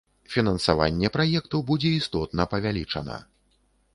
Фінансаванне праекту будзе істотна павялічана.